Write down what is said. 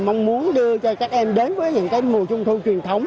mong muốn đưa cho các em đến với những cái mùa trung thu truyền thống